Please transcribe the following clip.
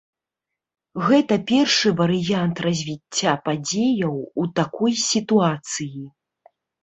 Гэта першы варыянт развіцця падзеяў у такой сітуацыі.